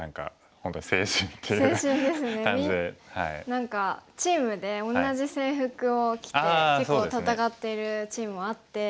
何かチームで同じ制服を着て結構戦ってるチームもあって。